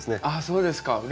あそうですか。